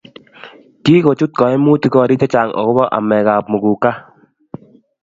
kikochut kaimutik korik chechang akobo amekab muguka